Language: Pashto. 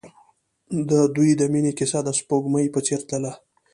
د دوی د مینې کیسه د سپوږمۍ په څېر تلله.